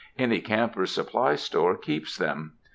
Any campers' supply store keeps them.